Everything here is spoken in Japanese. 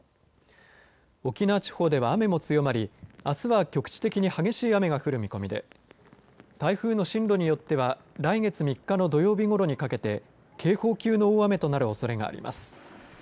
沖縄地方では雨も強まりあすは局地的に激しい雨が降る見込みで台風の進路によっては来月３日の土曜日ごろにかけて警報級の大雨となるおそれがあります。